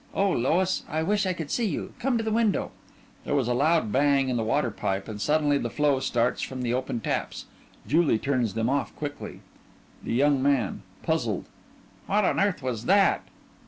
Oh, Lois, I wish I could see you. Come to the window. (There is a loud bang in the water pipe and suddenly the flow starts from the open taps. Julie turns them off quickly) THE YOUNG MAN: (Puzzled) What on earth was that?